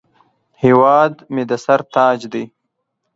هیواد مې د سر تاج دی